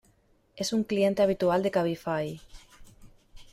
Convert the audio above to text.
Es un cliente habitual de Cabify.